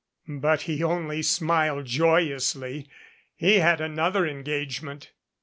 But he only smiled joyously. He had another engagement.